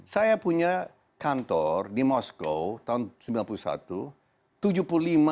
saya punya kantor di moskow tahun seribu sembilan ratus sembilan puluh satu